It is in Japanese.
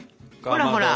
ほらほら。